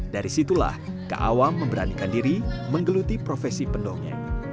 dari situlah kak awam memberanikan diri menggeluti profesi pendongeng